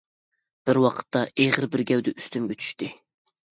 بىر ۋاقىتتا ئېغىر بىر گەۋدە ئۈستۈمگە چۈشتى.